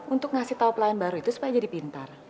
untuk ngasih tau pelayan baru itu supaya jadi pintar